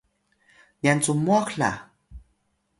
nyan cu mwah la